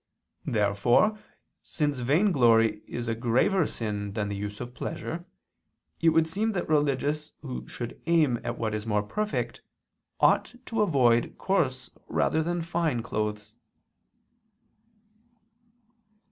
Therefore, since vainglory is a graver sin than the use of pleasure, it would seem that religious who should aim at what is more perfect ought to avoid coarse rather than fine clothes.